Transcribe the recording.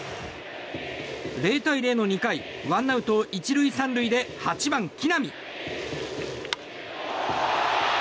０対０の２回ワンアウト１塁３塁で８番、木浪。